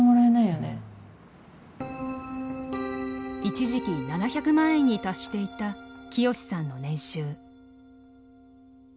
一時期７００万円に達していた清さんの年収。